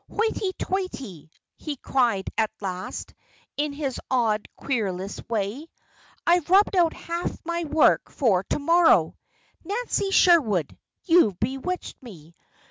"Hoity toity!" he cried at last, in his odd, querulous way. "I've rubbed out half my work for to morrow. Nancy Sherwood, you've bewitched me.